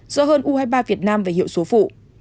rõ hơn u hai mươi ba việt nam về hiệu số phụ